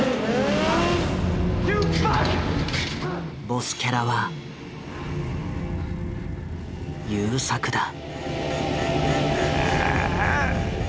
ボスキャラは優作だ。